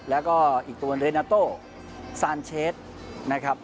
แล้วก็อีกตัวเรนาโต้ซานเชสนะครับ